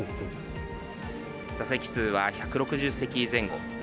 座席数は１６０席前後。